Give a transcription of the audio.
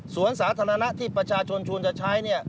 สวนสาธารณะที่ประชาชนชวนจะใช้เนี่ย